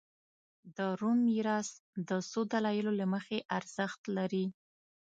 د روم میراث د څو دلایلو له مخې ارزښت لري